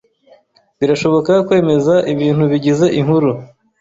birashoboka kwemeza ibintu bigize inkuru